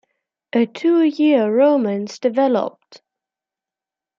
A two-year romance developed.